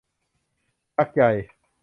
ชักใย